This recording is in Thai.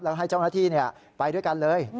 แล้วให้เจ้าหน้าที่ไปด้วยกันเลย